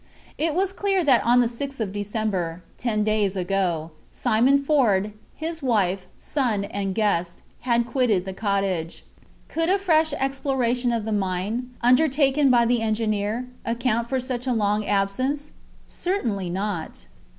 It was clear that on the 6th of December, ten days ago, Simon Ford, his wife, son, and guest, had quitted the cottage. Could a fresh exploration of the mine, undertaken by the engineer, account for such a long absence? Certainly not.